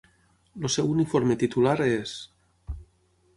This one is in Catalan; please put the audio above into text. El seu uniforme titular és: